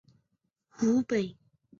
北九州市与福冈市合称为福北。